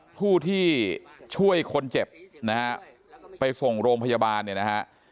ผู้ที่ช่วยคนเจ็บไปส่งโรงพยาบาลนะฮะ